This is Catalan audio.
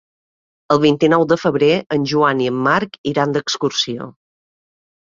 El vint-i-nou de febrer en Joan i en Marc iran d'excursió.